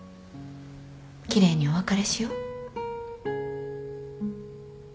奇麗にお別れしよう